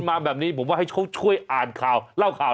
ให้เอามาปั๊มครับ